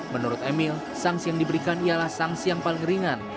menurut emil sanksi yang diberikan ialah sanksi yang paling ringan